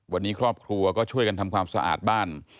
วันนี้ครอบครัวก็ช่วยกันทำความสะอาดบ้าน